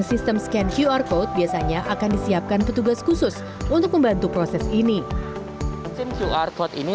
sistem scan qr code biasanya akan disiapkan petugas khusus untuk membantu proses ini